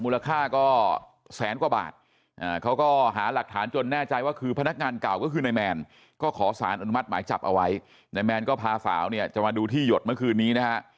อ๋อแล้วทำยังไงไปดูนะฮะ